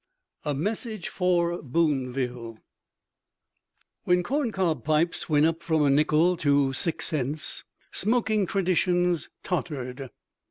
A MESSAGE FOR BOONVILLE When corncob pipes went up from a nickel to six cents, smoking traditions tottered.